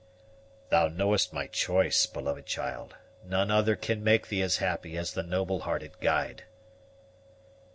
"Thou knowest my choice, beloved child; none other can make thee as happy as the noble hearted guide."